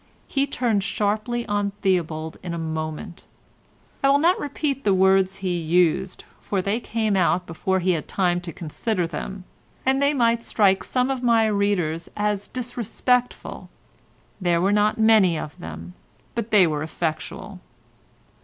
He turned sharply on Theobald in a moment. I will not repeat the words he used, for they came out before he had time to consider them, and they might strike some of my readers as disrespectful; there were not many of them, but they were effectual.